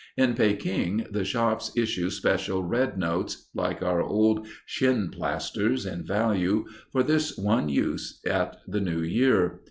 In Peking the shops issue special red notes, like our old "shinplasters" in value, for this one use at the New Year.